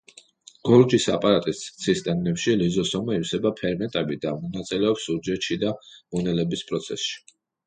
გოლჯის აპარატის ცისტერნებში ლიზოსომა ივსება ფერმენტებით და მონაწილეობს უჯრედშიდა მონელების პროცესში.